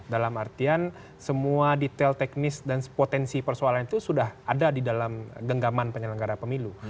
dalam artian semua detail teknis dan potensi persoalan itu sudah ada di dalam genggaman penyelenggara pemilu